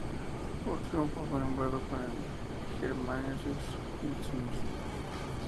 Por su triunfo fue nombrado con el de "Germanicus Maximus".